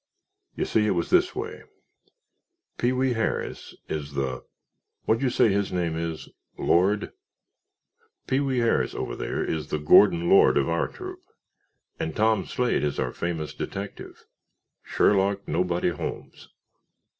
"You see, it was this way. Pee wee Harris is the what'd you say his name is—Lord? Pee wee Harris over there is the Gordon Lord of our troop. And Tom Slade is our famous detective—Sherlock Nobody Holmes.